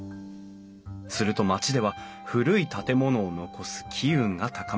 すると町では古い建物を残す機運が高まり